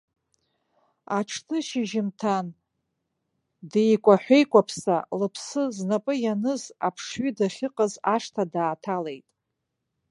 Аҽны шьыжьымҭан деикәаҳәа-еикәаԥса, лыԥсы знапы ианыз аԥшҩы дахьыҟаз ашҭа дааҭалеит.